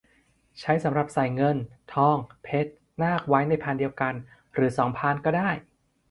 ใช้สำหรับใส่เงิน ทอง เพชร นาค ไว้ในพานเดียวกัน หรือ สอง พานก็ได้